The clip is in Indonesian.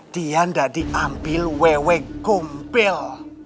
dia tidak diambil ww gumpil